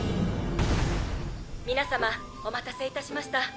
「皆さまお待たせいたしました」